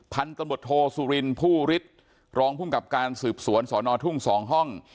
พันธโมโทสุรินทร์ผู้ฤทธิ์รองพุ่งกับการสืบสวนสอนอทุ่ง๒ห้อง